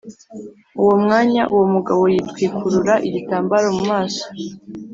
Uwo mwanya uwo mugabo yitwikurura igitambaro mu maso